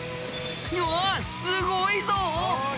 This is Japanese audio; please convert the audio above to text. うわすごいぞ！